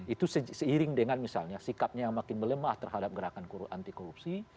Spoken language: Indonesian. itu seiring dengan misalnya sikapnya yang makin melemah terhadap gerakan anti korupsi